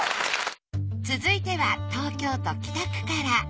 続いては東京都北区から。